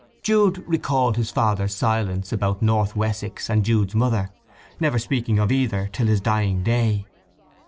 Jude recalled his father's silence about North Wessex and Jude's mother, never speaking of either till his dying day.